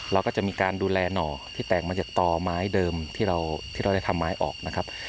เราก็จะมีการดูแลหน่อที่แตกมาจากต่อไม้เดิมที่เราได้ทำไม้ออกนะครับ